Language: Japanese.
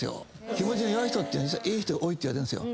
気持ちが弱い人って実はいい人が多いといわれてるんです。